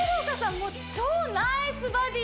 もう超ナイスバディ